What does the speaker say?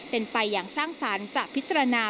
เป็นไปอย่างสร้างสรรค์จะพิจารณา